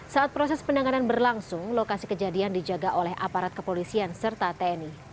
saat proses penanganan berlangsung lokasi kejadian dijaga oleh aparat kepolisian serta tni